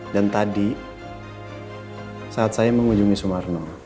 dan tadi saat saya mengunjungi sumarno